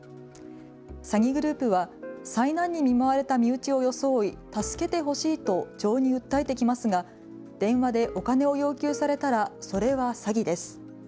詐欺グループは災難に見舞われた身内を装い助けてほしいと情に訴えてきますが電話でお金を要求されたらそれは詐欺です。